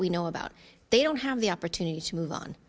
mereka tidak memiliki kesempatan untuk bergerak